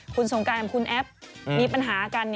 คุณสงการกับคุณแอฟมีปัญหากัน